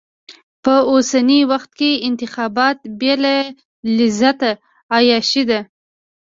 په اوسني وخت کې انتخابات بې لذته عياشي ده.